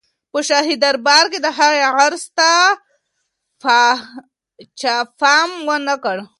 په شاهي دربار کې د هغه عرض ته چا پام ونه کړ.